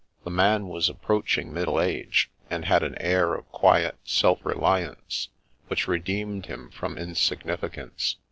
The man was approaching middle age, and had an air of quiet self reliance which redeemed him from insig nificance.